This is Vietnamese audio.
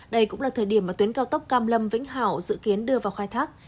đây cũng là thời điểm mà tuyến cao tốc cam lâm vĩnh hảo dự kiến đưa vào khai thác